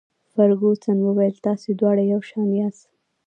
فرګوسن وویل: تاسي دواړه یو شان یاست.